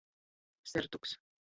Sertuks.